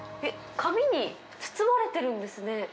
紙に包まれてるんですね。